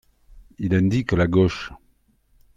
Il indique la gauche.